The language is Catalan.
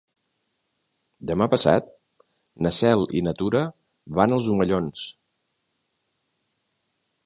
Demà passat na Cel i na Tura van als Omellons.